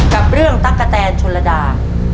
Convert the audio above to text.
กับเรื่องตั๊กกะแตนชนระดา